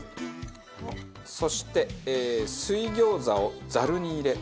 そして水餃子をザルに入れ。